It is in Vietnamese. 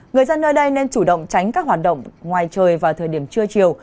người dân nơi đây nên chủ động tránh các hoạt động ngoài trời vào thời điểm trưa chiều